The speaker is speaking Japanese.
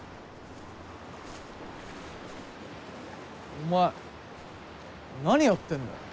お前何やってんだよ。